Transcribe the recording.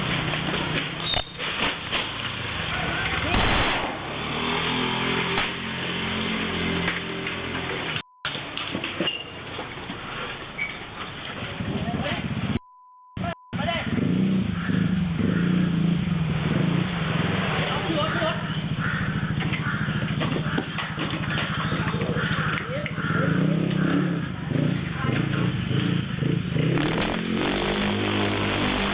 อ่ายิงจนเสียชีวิตเลยนะฮะ